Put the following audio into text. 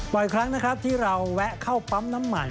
บ่อยครั้งนะครับที่เราแวะเข้าปั๊มน้ำมัน